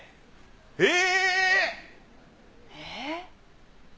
えっ！？